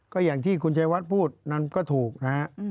ก็อย่างที่คุณชัยวัดพูดนั้นก็ถูกนะฮะ